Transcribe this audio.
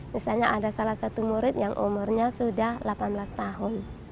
misalnya ada salah satu murid yang umurnya sudah delapan belas tahun